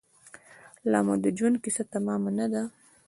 لامو د ژوند کیسه تمامه نه ده